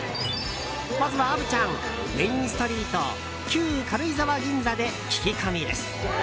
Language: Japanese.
まずは虻ちゃんメインストリート旧軽井沢銀座で聞き込みです。